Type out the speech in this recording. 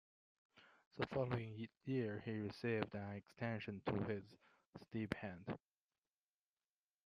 The following year he received an extension to his stipend.